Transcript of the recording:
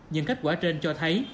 những kết quả trên cho thấy